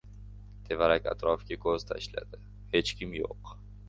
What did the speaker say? Tevarak-atrofga koʻz tashladi, hech kim yoʻq.